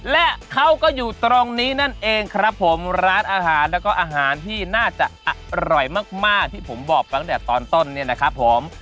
และเขาก็อยู่ตรงนี้นั่นเองครับผมร้านอาหารแล้วก็อาหารที่น่าจะอร่อยมากมากที่ผมบอกไปตั้งแต่ตอนต้นเนี่ยนะครับผม